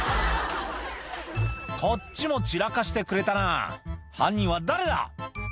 「こっちも散らかしてくれたな犯人は誰だ⁉」